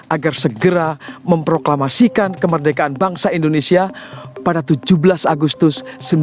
agar segera memproklamasikan kemerdekaan bangsa indonesia pada tujuh belas agustus seribu sembilan ratus empat puluh lima